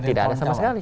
tidak ada sama sekali